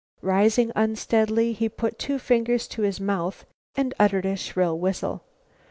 Rising unsteadily, he put two fingers to his mouth and uttered a shrill whistle.